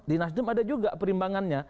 di nasdem ada juga perimbangannya